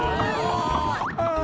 ああ！